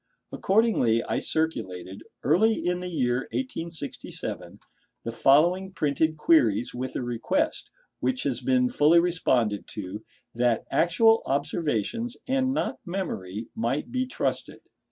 Accordingly I circulated, early in the year 1867, the following printed queries with a request, which has been fully responded to, that actual observations, and not memory, might be trusted.